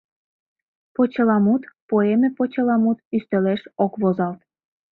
ПОЧЕЛАМУТ, ПОЭМЕПОЧЕЛАМУТ ӰСТЕЛЕШ ОК ВОЗАЛТ